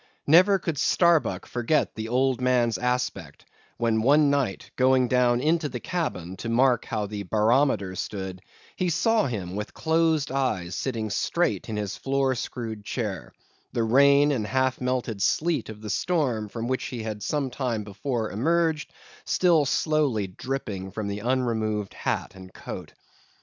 Never could Starbuck forget the old man's aspect, when one night going down into the cabin to mark how the barometer stood, he saw him with closed eyes sitting straight in his floor screwed chair; the rain and half melted sleet of the storm from which he had some time before emerged, still slowly dripping from the unremoved hat and coat.